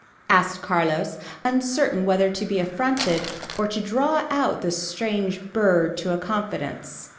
asked Carlos, uncertain whether to be affronted or to draw out this strange bird to a confidence.